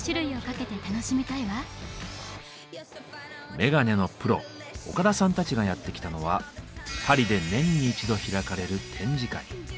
メガネのプロ岡田さんたちがやってきたのはパリで年に一度開かれる展示会。